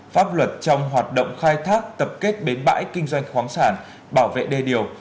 pháp luật trong hoạt động khai thác tập kết bến bãi kinh doanh khoáng sản bảo vệ đê điều